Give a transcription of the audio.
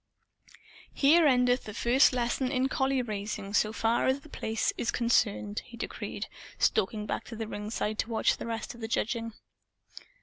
"Here endeth the first lesson in collie raising, so far as The Place is concerned," he decreed, stalking back to the ringside to watch the rest of the judging.